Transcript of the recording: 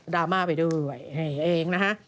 ราม่าไปด้วยเองนะฮะ